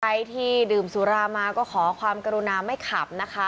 ใครที่ดื่มสุรามาก็ขอความกรุณาไม่ขับนะคะ